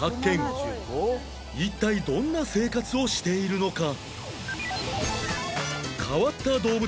一体どんな生活をしているのか？